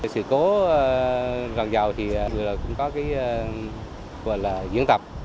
sự cố ràng dầu thì cũng có diễn tập